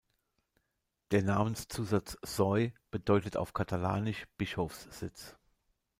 Der Namenszusatz "Seu" bedeutet auf katalanisch "Bischofssitz".